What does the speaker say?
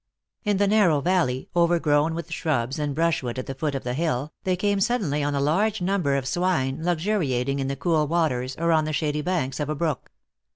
In the narrow valley, overgrown w r ith shrubs and 156 THE ACTRESS IN HIGH LIFE. brushwood at the foot of the hill, they came suddenly on a large number of swine luxuriating in the cool waters, or on the shady banks of a brook.